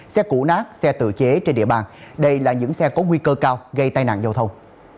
xe củ nát xe tự chế trên địa bàn đây là những xe có nguy cơ cao gây tai nạn giao thông